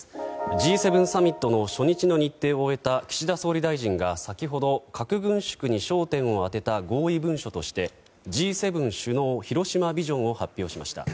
Ｇ７サミットの初日の日程を終えた岸田総理大臣が先ほど、核軍縮に焦点を当てた合意文書としてＧ７首脳広島ビジョンを発表しました。